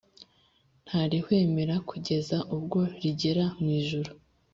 ntarihwemera kugeza ubwo rigera mu ijuru;